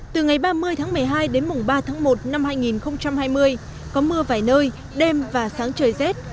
từ ngày ba mươi tháng một mươi hai đến mùng ba tháng một năm hai nghìn hai mươi có mưa vài nơi đêm và sáng trời rét